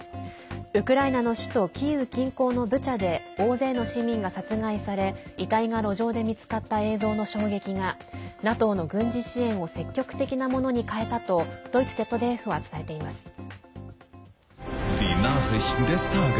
ウクライナの首都キーウ近郊のブチャで大勢の市民が殺害され遺体が路上で見つかった映像の衝撃がＮＡＴＯの軍事支援を積極的なものに変えたとドイツＺＤＦは伝えています。